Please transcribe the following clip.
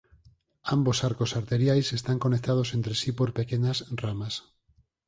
Ambos arcos arteriais están conectados entre si por pequenas ramas.